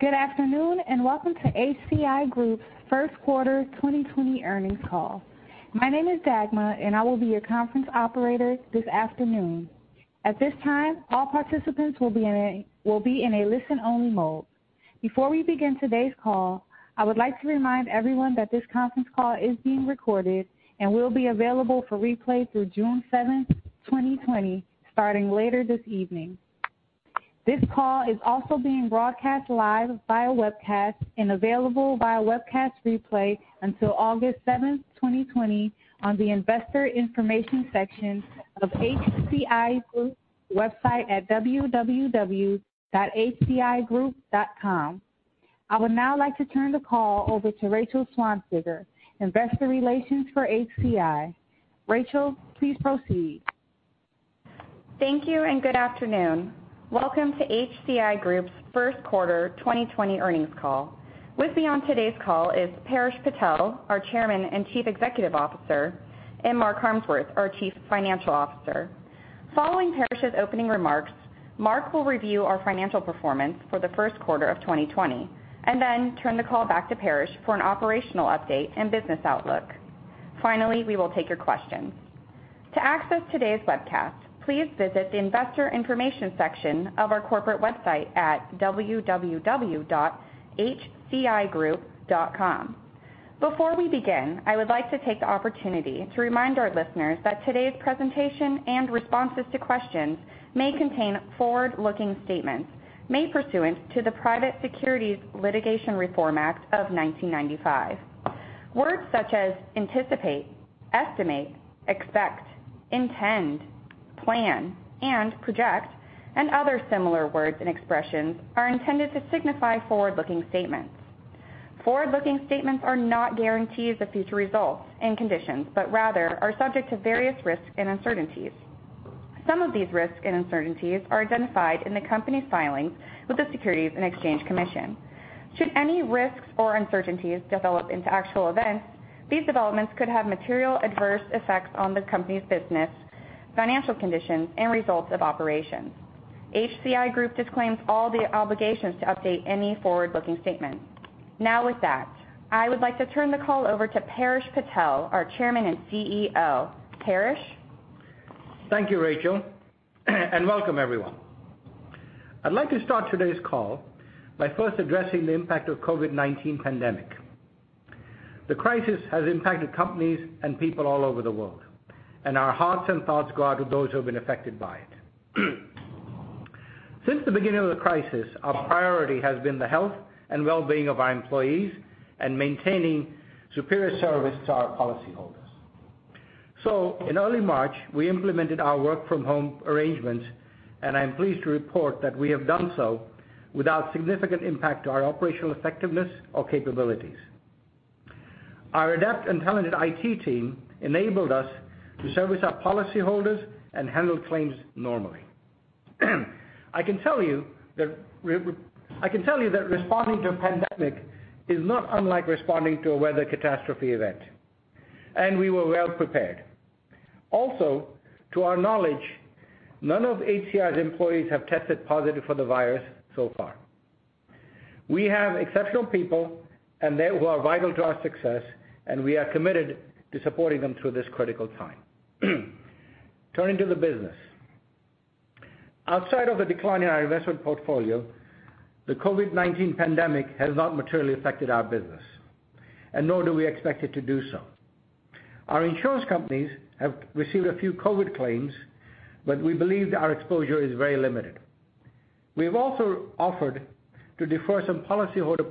Good afternoon, and welcome to HCI Group's first quarter 2020 earnings call. My name is Dagma, and I will be your conference operator this afternoon. At this time, all participants will be in a listen-only mode. Before we begin today's call, I would like to remind everyone that this conference call is being recorded and will be available for replay through June 7th, 2020, starting later this evening. This call is also being broadcast live via webcast and available via webcast replay until August 7th, 2020, on the investor information section of HCI Group website at www.hcigroup.com. I would now like to turn the call over to Matt Glover, investor relations for HCI. Rachel, please proceed. Thank you. Good afternoon. Welcome to HCI Group's first quarter 2020 earnings call. With me on today's call is Paresh Patel, our chairman and chief executive officer, and Mark Harmsworth, our chief financial officer. Following Paresh's opening remarks, Mark will review our financial performance for the first quarter of 2020. Then turn the call back to Paresh for an operational update and business outlook. Finally, we will take your questions. To access today's webcast, please visit the investor information section of our corporate website at www.hcigroup.com. Before we begin, I would like to take the opportunity to remind our listeners that today's presentation and responses to questions may contain forward-looking statements made pursuant to the Private Securities Litigation Reform Act of 1995. Words such as anticipate, estimate, expect, intend, plan, and project, and other similar words and expressions are intended to signify forward-looking statements. Forward-looking statements are not guarantees of future results and conditions, rather are subject to various risks and uncertainties. Some of these risks and uncertainties are identified in the company's filings with the Securities and Exchange Commission. Should any risks or uncertainties develop into actual events, these developments could have material adverse effects on the company's business, financial conditions, and results of operations. HCI Group disclaims all the obligations to update any forward-looking statement. With that, I would like to turn the call over to Paresh Patel, our chairman and CEO. Paresh? Thank you, Rachel. Welcome everyone. I'd like to start today's call by first addressing the impact of COVID-19 pandemic. The crisis has impacted companies and people all over the world. Our hearts and thoughts go out to those who have been affected by it. Since the beginning of the crisis, our priority has been the health and well-being of our employees and maintaining superior service to our policyholders. In early March, we implemented our work from home arrangements. I'm pleased to report that we have done so without significant impact to our operational effectiveness or capabilities. Our adept and talented IT team enabled us to service our policyholders and handle claims normally. I can tell you that responding to a pandemic is not unlike responding to a weather catastrophe event. We were well prepared. To our knowledge, none of HCI's employees have tested positive for the virus so far. We have exceptional people who are vital to our success, and we are committed to supporting them through this critical time. Turning to the business. Outside of the decline in our investment portfolio, the COVID-19 pandemic has not materially affected our business, nor do we expect it to do so. Our insurance companies have received a few COVID claims, but we believe our exposure is very limited. We have also offered to defer some policyholder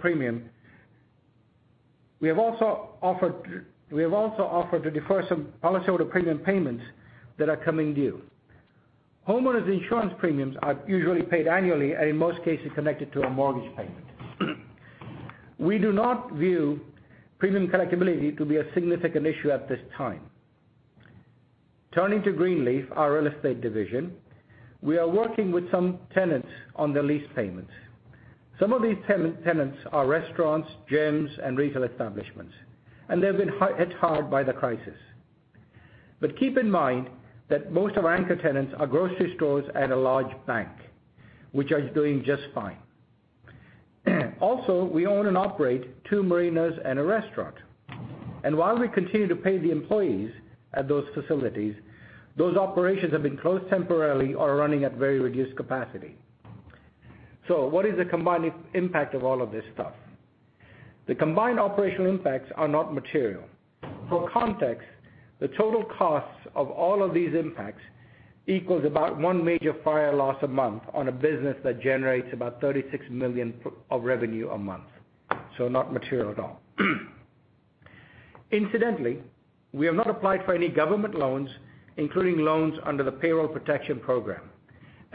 premium payments that are coming due. Homeowners insurance premiums are usually paid annually and in most cases, connected to a mortgage payment. We do not view premium collectability to be a significant issue at this time. Turning to Greenleaf, our real estate division, we are working with some tenants on their lease payments. Some of these tenants are restaurants, gyms, and retail establishments, they've been hit hard by the crisis. Keep in mind that most of our anchor tenants are grocery stores and a large bank, which are doing just fine. We own and operate two marinas and a restaurant. While we continue to pay the employees at those facilities, those operations have been closed temporarily or are running at very reduced capacity. What is the combined impact of all of this stuff? The combined operational impacts are not material. For context, the total costs of all of these impacts equals about one major fire loss a month on a business that generates about $36 million of revenue a month. Not material at all. Incidentally, we have not applied for any government loans, including loans under the Paycheck Protection Program,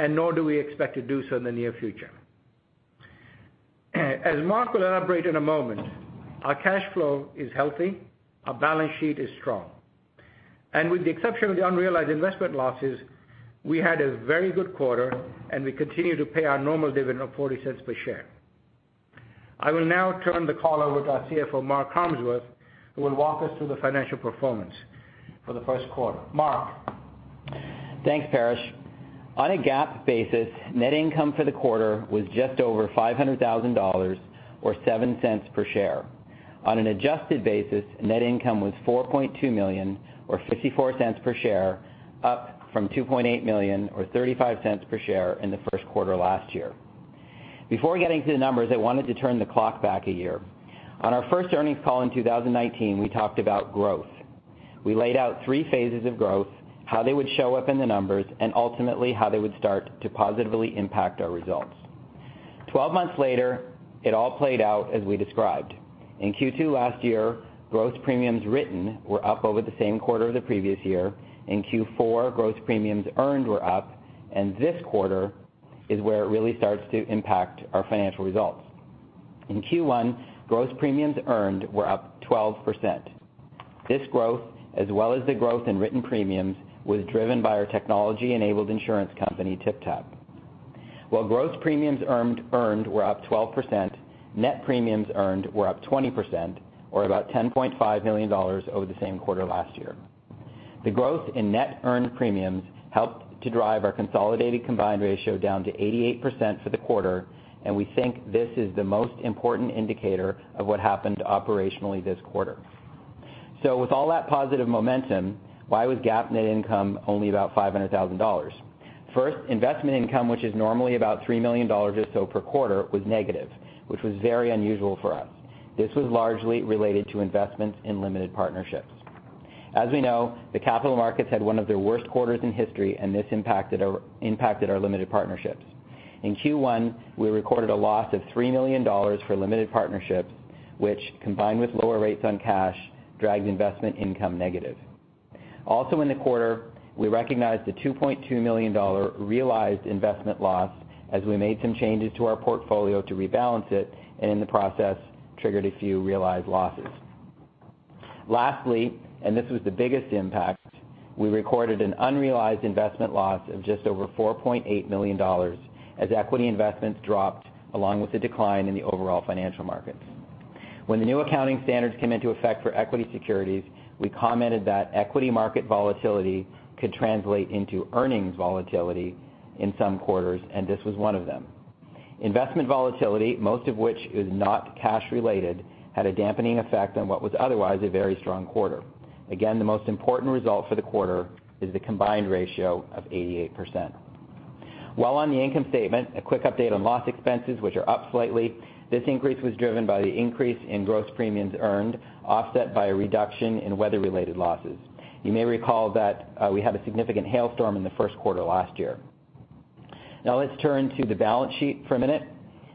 nor do we expect to do so in the near future. As Mark will elaborate in a moment, our cash flow is healthy, our balance sheet is strong, with the exception of the unrealized investment losses, we had a very good quarter, we continue to pay our normal dividend of $0.40 per share. I will now turn the call over to our CFO, Mark Harmsworth, who will walk us through the financial performance for the first quarter. Mark? Thanks, Paresh. On a GAAP basis, net income for the quarter was just over $500,000, or $0.07 per share. On an adjusted basis, net income was $4.2 million, or $0.54 per share, up from $2.8 million, or $0.35 per share in the first quarter last year. Before getting to the numbers, I wanted to turn the clock back a year. On our first earnings call in 2019, we talked about growth. We laid out 3 phases of growth, how they would show up in the numbers, ultimately how they would start to positively impact our results. Twelve months later, it all played out as we described. In Q2 last year, gross premiums written were up over the same quarter of the previous year. In Q4, gross premiums earned were up, this quarter is where it really starts to impact our financial results. In Q1, gross premiums earned were up 12%. This growth, as well as the growth in written premiums, was driven by our technology-enabled insurance company, TypTap. While gross premiums earned were up 12%, net premiums earned were up 20%, or about $10.5 million over the same quarter last year. The growth in net earned premiums helped to drive our consolidated combined ratio down to 88% for the quarter. We think this is the most important indicator of what happened operationally this quarter. With all that positive momentum, why was GAAP net income only about $500,000? First, investment income, which is normally about $3 million or so per quarter, was negative, which was very unusual for us. This was largely related to investments in limited partnerships. As we know, the capital markets had one of their worst quarters in history, and this impacted our limited partnerships. In Q1, we recorded a loss of $3 million for limited partnerships, which, combined with lower rates on cash, dragged investment income negative. Also in the quarter, we recognized a $2.2 million realized investment loss as we made some changes to our portfolio to rebalance it, and in the process, triggered a few realized losses. Lastly, this was the biggest impact, we recorded an unrealized investment loss of just over $4.8 million as equity investments dropped along with the decline in the overall financial markets. When the new accounting standards came into effect for equity securities, we commented that equity market volatility could translate into earnings volatility in some quarters, and this was one of them. Investment volatility, most of which is not cash related, had a dampening effect on what was otherwise a very strong quarter. Again, the most important result for the quarter is the combined ratio of 88%. While on the income statement, a quick update on loss expenses, which are up slightly. This increase was driven by the increase in gross premiums earned, offset by a reduction in weather-related losses. You may recall that we had a significant hailstorm in the first quarter last year. Let's turn to the balance sheet for a minute.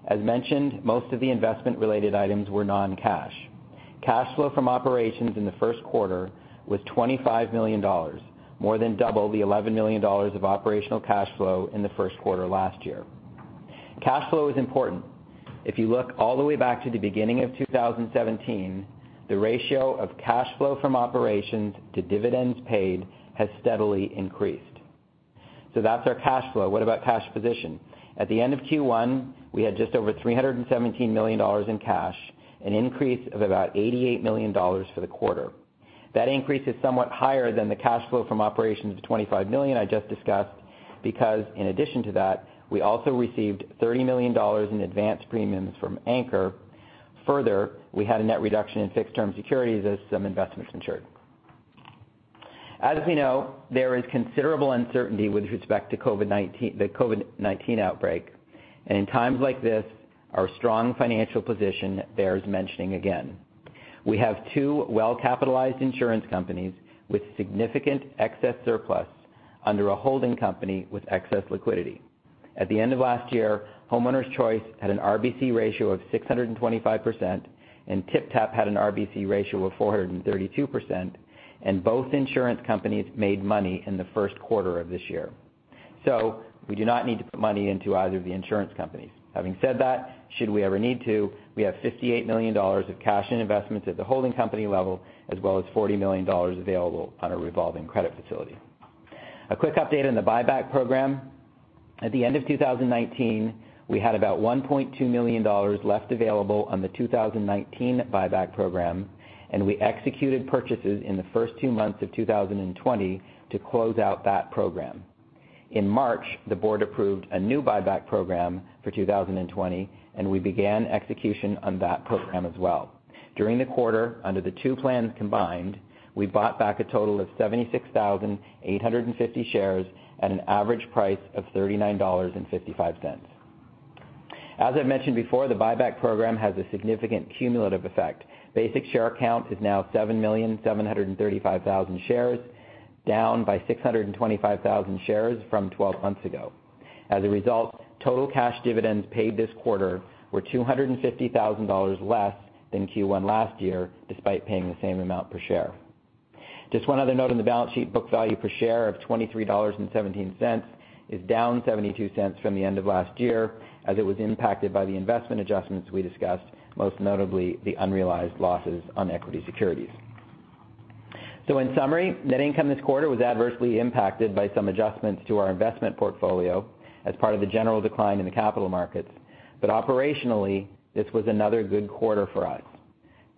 As mentioned, most of the investment-related items were non-cash. Cash flow from operations in the first quarter was $25 million, more than double the $11 million of operational cash flow in the first quarter last year. Cash flow is important. If you look all the way back to the beginning of 2017, the ratio of cash flow from operations to dividends paid has steadily increased. That's our cash flow. What about cash position? At the end of Q1, we had just over $317 million in cash, an increase of about $88 million for the quarter. That increase is somewhat higher than the cash flow from operations of $25 million I just discussed because in addition to that, we also received $30 million in advanced premiums from Anchor. Further, we had a net reduction in fixed-term securities as some investments matured. As we know, there is considerable uncertainty with respect to the COVID-19 outbreak. In times like this, our strong financial position bears mentioning again. We have two well-capitalized insurance companies with significant excess surplus under a holding company with excess liquidity. At the end of last year, Homeowners Choice had an RBC ratio of 625%, and TypTap had an RBC ratio of 432%, and both insurance companies made money in the first quarter of this year. We do not need to put money into either of the insurance companies. Having said that, should we ever need to, we have $58 million of cash and investments at the holding company level, as well as $40 million available on a revolving credit facility. A quick update on the buyback program. At the end of 2019, we had about $1.2 million left available on the 2019 buyback program, and we executed purchases in the first two months of 2020 to close out that program. In March, the board approved a new buyback program for 2020, and we began execution on that program as well. During the quarter, under the two plans combined, we bought back a total of 76,850 shares at an average price of $39.55. As I've mentioned before, the buyback program has a significant cumulative effect. Basic share count is now 7,735,000 shares, down by 625,000 shares from 12 months ago. As a result, total cash dividends paid this quarter were $250,000 less than Q1 last year, despite paying the same amount per share. Just one other note on the balance sheet. Book value per share of $23.17 is down $0.72 from the end of last year, as it was impacted by the investment adjustments we discussed, most notably the unrealized losses on equity securities. In summary, net income this quarter was adversely impacted by some adjustments to our investment portfolio as part of the general decline in the capital markets. Operationally, this was another good quarter for us.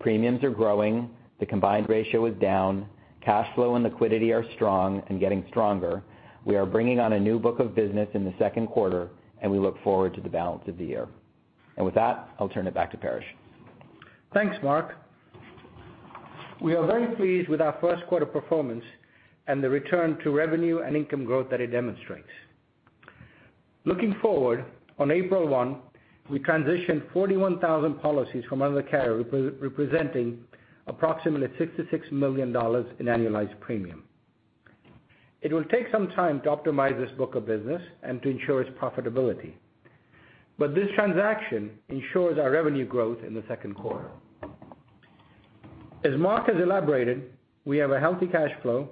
Premiums are growing, the combined ratio is down, cash flow and liquidity are strong and getting stronger. We are bringing on a new book of business in the second quarter, and we look forward to the balance of the year. With that, I'll turn it back to Paresh. Thanks, Mark. We are very pleased with our first quarter performance and the return to revenue and income growth that it demonstrates. Looking forward, on April 1, we transitioned 41,000 policies from another carrier, representing approximately $66 million in annualized premium. It will take some time to optimize this book of business and to ensure its profitability, but this transaction ensures our revenue growth in the second quarter. As Mark has elaborated, we have a healthy cash flow,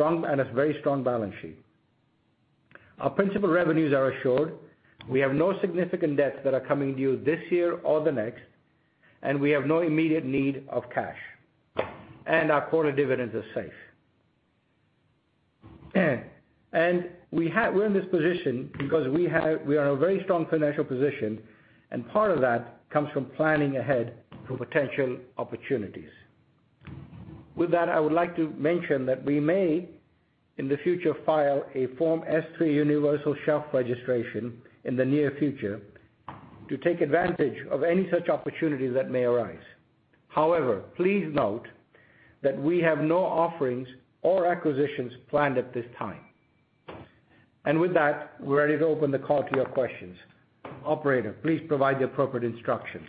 and a very strong balance sheet. Our principal revenues are assured, we have no significant debts that are coming due this year or the next, and we have no immediate need of cash, and our quarter dividends are safe. We're in this position because we are in a very strong financial position, and part of that comes from planning ahead for potential opportunities. With that, I would like to mention that we may, in the future, file a Form S-3 universal shelf registration in the near future to take advantage of any such opportunities that may arise. However, please note that we have no offerings or acquisitions planned at this time. With that, we're ready to open the call to your questions. Operator, please provide the appropriate instructions.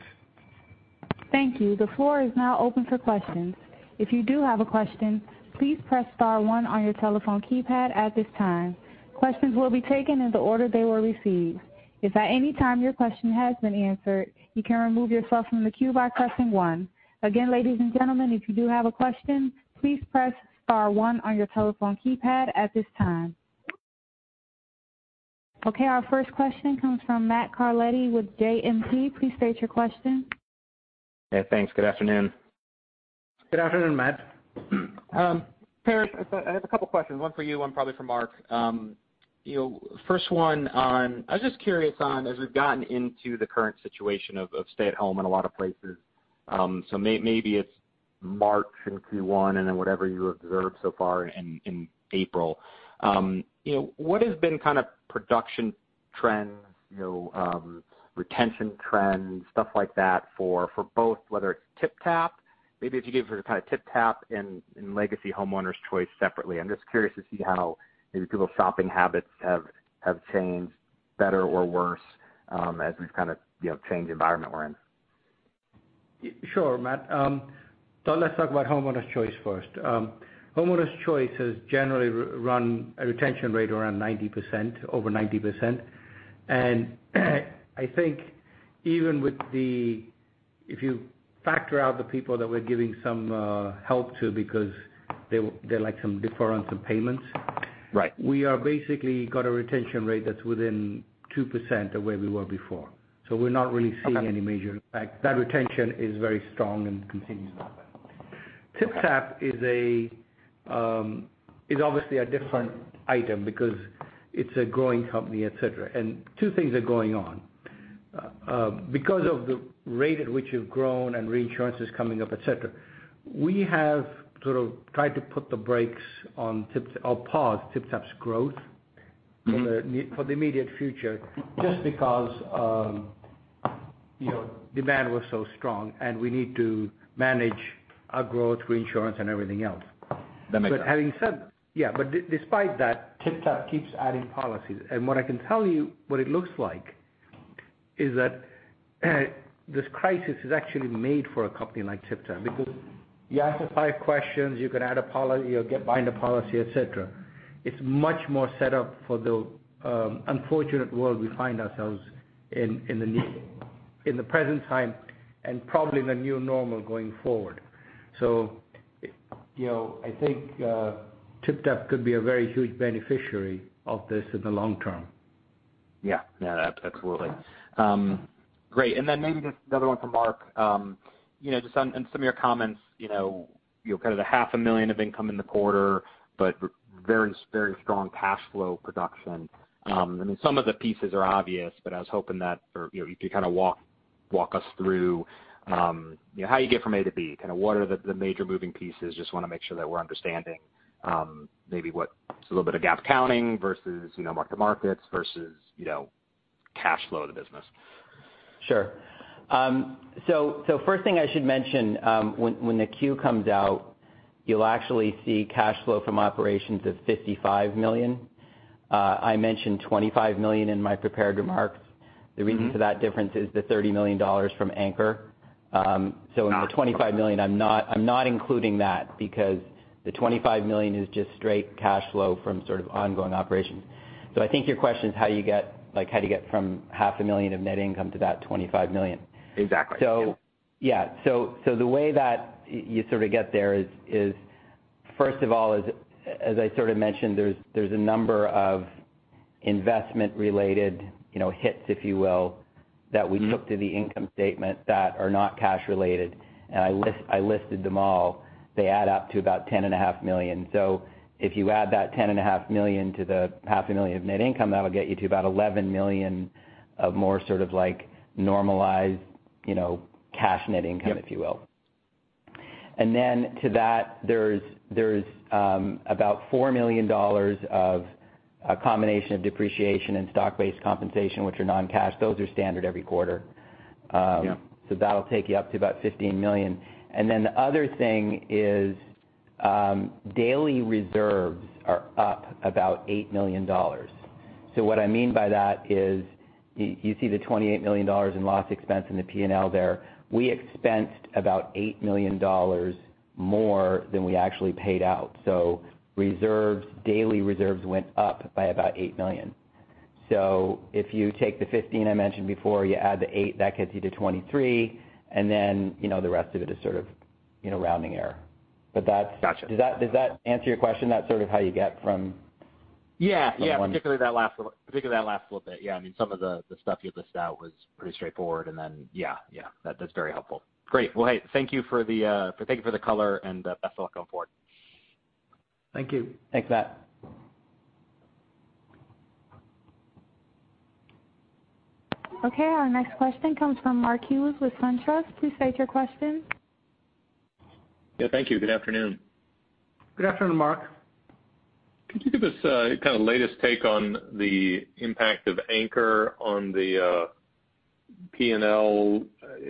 Thank you. The floor is now open for questions. If you do have a question, please press star one on your telephone keypad at this time. Questions will be taken in the order they were received. If at any time your question has been answered, you can remove yourself from the queue by pressing one. Again, ladies and gentlemen, if you do have a question, please press star one on your telephone keypad at this time. Okay, our first question comes from Matt Carletti with JMP. Please state your question. Yeah, thanks. Good afternoon. Good afternoon, Matt. Paresh, I have a couple questions. One for you, one probably for Mark. First one on, I was just curious on, as we've gotten into the current situation of stay-at-home in a lot of places, so maybe it's March in Q1 and then whatever you observed so far in April. What has been kind of production trends, retention trends, stuff like that for both, whether it's TypTap. Maybe if you could give it for kind of TypTap and Legacy Homeowners' Choice separately. I'm just curious to see how maybe people's shopping habits have changed better or worse as we've kind of changed the environment we're in. Sure, Matt. Let's talk about Homeowners' Choice first. Homeowners' Choice has generally run a retention rate around 90%, over 90%. I think even if you factor out the people that we're giving some help to because they'd like some deferment of payments. Right we are basically got a retention rate that's within 2% of where we were before. We're not really seeing any major impact. Okay. That retention is very strong and continues like that. TypTap is obviously a different item because it's a growing company, et cetera. Two things are going on. Because of the rate at which you've grown and reinsurance is coming up, et cetera, we have sort of tried to put the brakes on, or pause TypTap's growth for the immediate future, just because demand was so strong, and we need to manage our growth reinsurance and everything else. That makes sense. Yeah. Despite that, TypTap keeps adding policies. What I can tell you, what it looks like, is that this crisis is actually made for a company like TypTap because you answer five questions, you can add a policy or get bind a policy, et cetera. It's much more set up for the unfortunate world we find ourselves in the present time, probably the new normal going forward. I think TypTap could be a very huge beneficiary of this in the long term. Yeah. Absolutely. Great. Then maybe just another one for Mark. Just on some of your comments, kind of the half a million of income in the quarter, but very strong cash flow production. I mean, some of the pieces are obvious, but I was hoping that if you kind of walk us through how you get from A to B. Kind of what are the major moving pieces? Just want to make sure that we're understanding maybe what is a little bit of GAAP counting versus market to markets versus cash flow of the business. Sure. First thing I should mention, when the Q comes out, you'll actually see cash flow from operations of $55 million. I mentioned $25 million in my prepared remarks. The reason for that difference is the $30 million from Anchor. In the $25 million, I'm not including that because the $25 million is just straight cash flow from sort of ongoing operations. I think your question is how you get from half a million of net income to that $25 million. Exactly. Yeah. Yeah. The way that you sort of get there is, first of all, as I sort of mentioned, there's a number of investment-related hits, if you will, that we took to the income statement that are not cash related, and I listed them all. They add up to about $10.5 million. If you add that $10.5 million to the half a million of net income, that'll get you to about $11 million of more sort of normalized cash net income, if you will. Yep. Then to that, there's about $4 million of a combination of depreciation and stock-based compensation, which are non-cash. Those are standard every quarter. Yeah. That'll take you up to about $15 million. The other thing is daily reserves are up about $8 million. What I mean by that is you see the $28 million in loss expense in the P&L there. We expensed about $8 million more than we actually paid out. Reserves, daily reserves, went up by about $8 million. If you take the 15 I mentioned before, you add the 8, that gets you to 23, and then the rest of it is sort of rounding error. That's. Gotcha. Does that answer your question? That's sort of how you get from. Yeah. From one. Particularly that last little bit. Yeah. Some of the stuff you listed out was pretty straightforward, yeah. That's very helpful. Great. Hey, thank you for the color and best of luck going forward. Thank you. Thanks, Matt. Okay, our next question comes from Mark Hughes with SunTrust. Please state your question. Yeah, thank you. Good afternoon. Good afternoon, Mark. Could you give us kind of latest take on the impact of Anchor on the P&L,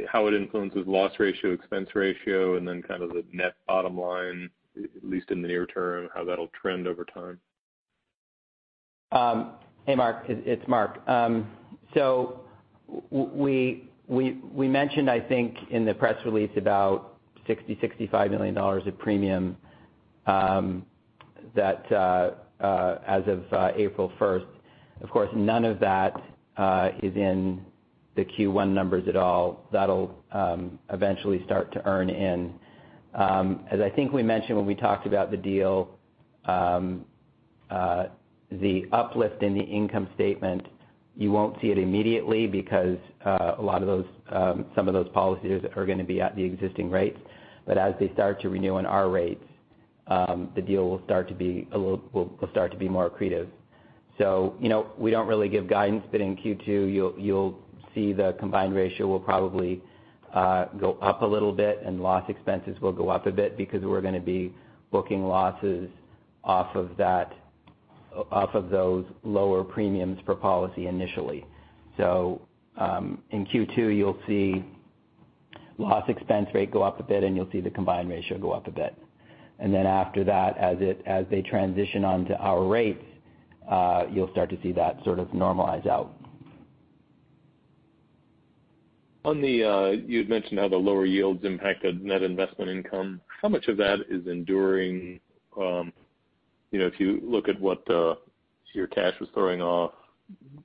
how it influences loss ratio, expense ratio, and then kind of the net bottom line, at least in the near term, how that'll trend over time? Hey, Mark. It's Mark. We mentioned, I think, in the press release about $60 million-$65 million of premium as of April 1st. Of course, none of that is in the Q1 numbers at all. That'll eventually start to earn in. As I think we mentioned when we talked about the deal, the uplift in the income statement, you won't see it immediately because some of those policies are going to be at the existing rates. As they start to renew on our rates, the deal will start to be more accretive. We don't really give guidance, but in Q2, you'll see the combined ratio will probably go up a little bit, and loss expenses will go up a bit because we're going to be booking losses off of those lower premiums per policy initially. In Q2, you'll see loss expense rate go up a bit, and you'll see the combined ratio go up a bit. After that, as they transition onto our rates, you'll start to see that sort of normalize out. You had mentioned how the lower yields impacted net investment income. How much of that is enduring? If you look at what your cash was throwing off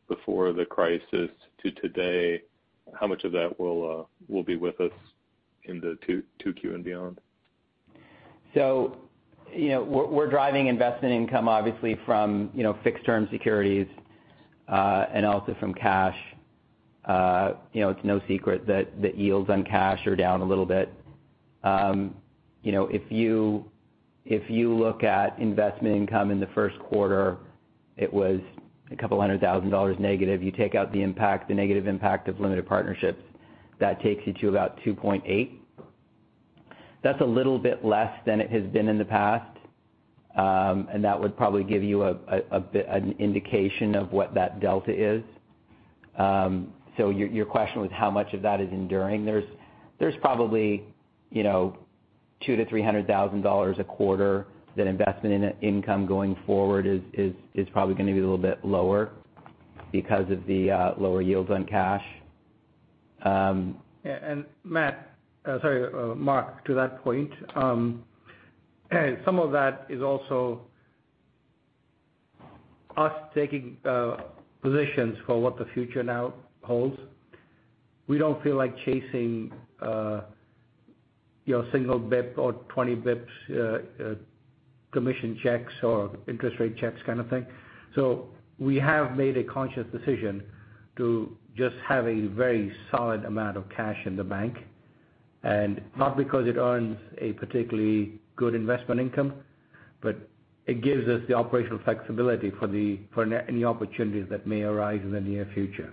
before the crisis to today, how much of that will be with us in the 2Q and beyond? We're driving investment income obviously from fixed-term securities, and also from cash. It's no secret that yields on cash are down a little bit. If you look at investment income in the first quarter, it was a couple hundred thousand dollars negative. You take out the negative impact of limited partnerships, that takes you to about $2.8. That's a little bit less than it has been in the past, and that would probably give you an indication of what that delta is. Your question was how much of that is enduring. There's probably $200,000 to $300,000 a quarter that investment income going forward is probably going to be a little bit lower because of the lower yields on cash. Matt, sorry, Mark, to that point, some of that is also us taking positions for what the future now holds. We don't feel like chasing single basis point or 20 basis points commission checks or interest rate checks kind of thing. We have made a conscious decision to just have a very solid amount of cash in the bank, and not because it earns a particularly good investment income, but it gives us the operational flexibility for any opportunities that may arise in the near future.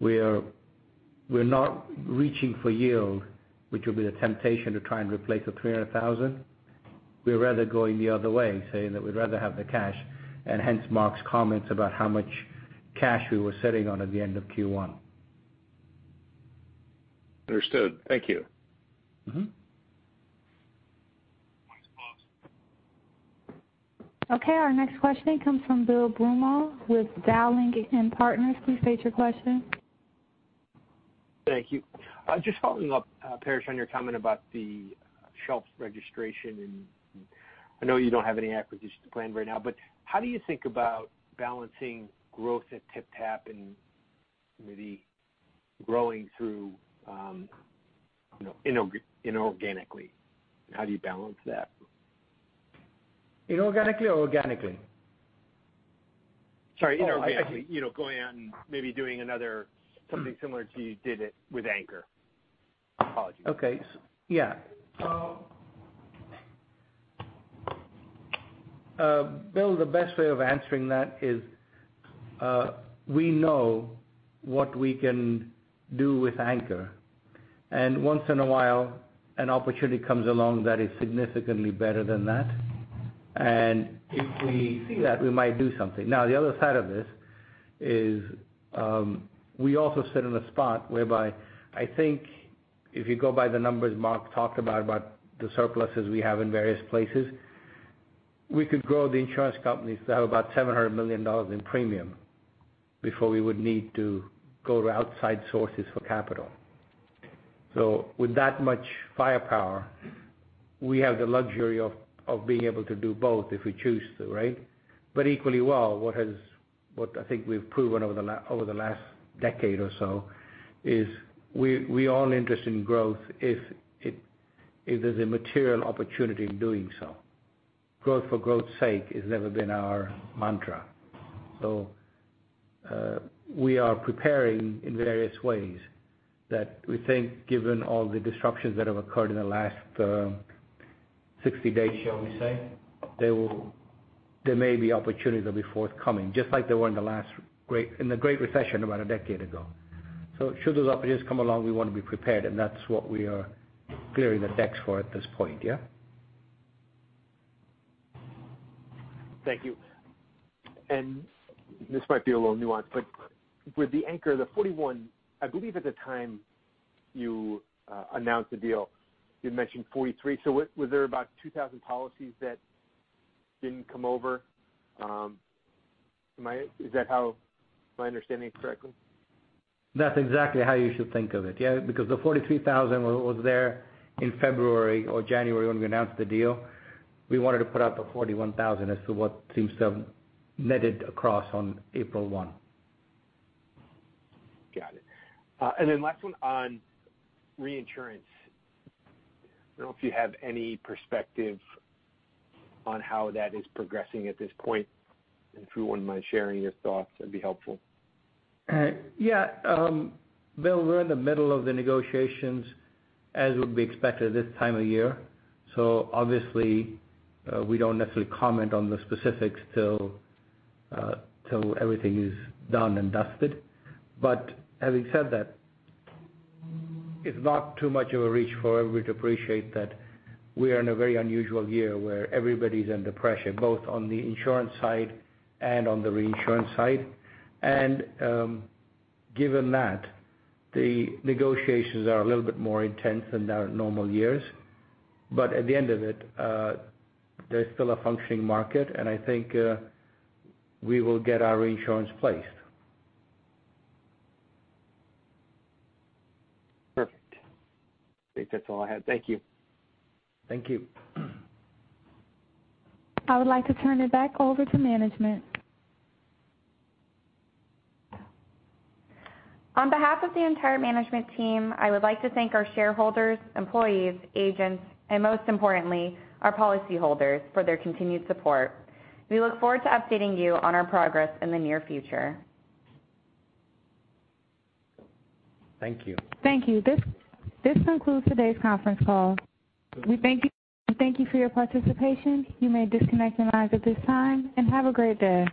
We're not reaching for yield, which will be the temptation to try and replace the $300,000. We'd rather going the other way, saying that we'd rather have the cash, and hence Mark's comments about how much cash we were sitting on at the end of Q1. Understood. Thank you. Our next question comes from Bill Blumo with Dowling & Partners. Please state your question. Thank you. Just following up, Paresh, on your comment about the shelf's registration, I know you don't have any acquisitions planned right now, but how do you think about balancing growth at TypTap and Maybe growing through inorganically. How do you balance that? Inorganically or organically? Sorry, inorganically. Going out and maybe doing something similar to you did it with Anchor. Apologies. Okay. Yeah. Bill, the best way of answering that is we know what we can do with Anchor. Once in a while, an opportunity comes along that is significantly better than that. If we see that, we might do something. The other side of this is we also sit in a spot whereby I think if you go by the numbers Mark talked about the surpluses we have in various places, we could grow the insurance companies to have about $700 million in premium before we would need to go to outside sources for capital. With that much firepower, we have the luxury of being able to do both if we choose to, right? Equally well, what I think we've proven over the last decade or so is we're only interested in growth if there's a material opportunity in doing so. Growth for growth's sake has never been our mantra. We are preparing in various ways that we think given all the disruptions that have occurred in the last 60 days, shall we say, there may be opportunities that'll be forthcoming, just like they were in the Great Recession about a decade ago. Should those opportunities come along, we want to be prepared, and that's what we are clearing the decks for at this point, yeah? Thank you. This might be a little nuanced, but with the Anchor, the 41, I believe at the time you announced the deal, you mentioned 43. Was there about 2,000 policies that didn't come over? Is my understanding correct? That's exactly how you should think of it, yeah. The 43,000 was there in February or January when we announced the deal. We wanted to put out the 41,000 as to what seems to have netted across on April one. Got it. Then last one on reinsurance. I don't know if you have any perspective on how that is progressing at this point. If you wouldn't mind sharing your thoughts, that'd be helpful. Yeah. Bill, we're in the middle of the negotiations as would be expected this time of year. Obviously, we don't necessarily comment on the specifics till everything is done and dusted. Having said that, it's not too much of a reach for everybody to appreciate that we are in a very unusual year where everybody's under pressure, both on the insurance side and on the reinsurance side. Given that, the negotiations are a little bit more intense than our normal years. At the end of it, there's still a functioning market, and I think we will get our reinsurance placed. Perfect. I think that's all I have. Thank you. Thank you. I would like to turn it back over to management. On behalf of the entire management team, I would like to thank our shareholders, employees, agents, and most importantly, our policyholders for their continued support. We look forward to updating you on our progress in the near future. Thank you. Thank you. This concludes today's conference call. We thank you for your participation. You may disconnect your lines at this time, and have a great day.